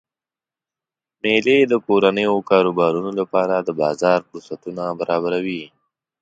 میلې د کورنیو کاروبارونو لپاره د بازار فرصتونه برابروي.